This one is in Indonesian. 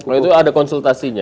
oh itu ada konsultasinya